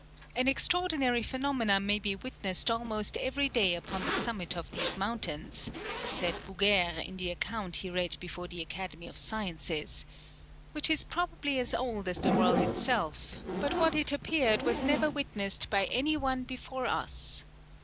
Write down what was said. "An extraordinary phenomena may be witnessed almost every day upon the summit of these mountains," said Bouguer in the account he read before the Academy of Sciences, "which is probably as old as the world itself, but what it appeared was never witnessed by any one before us.